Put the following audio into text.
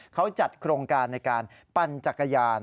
เขาจัดโครงการในการปั่นจักรยาน